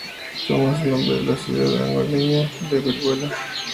Toma su nombre de la ciudad angoleña de Benguela.